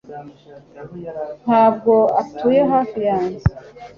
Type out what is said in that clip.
Ntabwo atuye hafi yanjye.